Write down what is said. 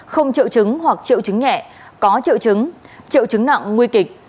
không triệu chứng hoặc triệu chứng nhẹ có triệu chứng triệu chứng nặng nguy kịch